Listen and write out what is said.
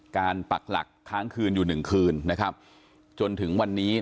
การปักหลักค้างคืนอยู่หนึ่งคืนจนถึงวันนี้